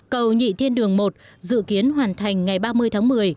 cầu nhị thiên đường một dự kiến hoàn thành ngày ba mươi tháng một mươi